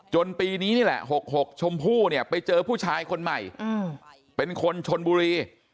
ปีนี้นี่แหละ๖๖ชมพู่เนี่ยไปเจอผู้ชายคนใหม่เป็นคนชนบุรี